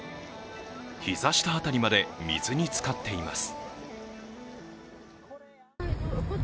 膝下あたりまで水につかっています。